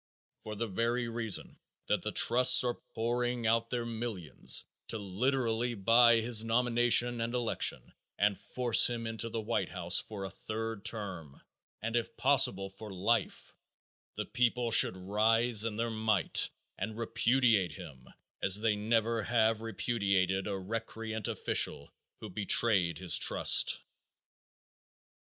For the very reason that the trusts are pouring out their millions to literally buy his nomination and election and force him into the White House for a third term, and if possible for life, the people should rise in their might and repudiate him as they never have repudiated a recreant official who betrayed his trust.